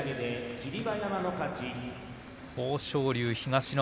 豊昇龍、東の